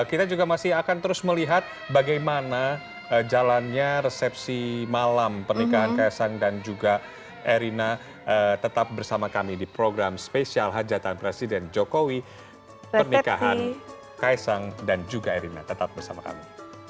kita juga masih akan terus melihat bagaimana jalannya resepsi malam pernikahan kaisang dan juga erina tetap bersama kami di program spesial hajatan presiden jokowi pernikahan kaisang dan juga erina tetap bersama kami